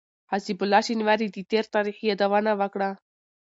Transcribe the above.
حسيب الله شينواري د تېر تاريخ يادونه وکړه.